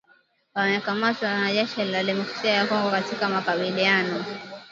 wamekamatwa na jeshi la Demokrasia ya Kongo katika makabiliano